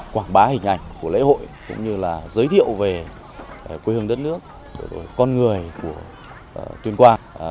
quảng bá hình ảnh của lễ hội cũng như là giới thiệu về quê hương đất nước con người của tuyên quang